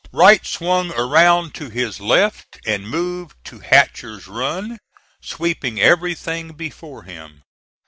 Wright swung around to his left and moved to Hatcher's Run, sweeping everything before him.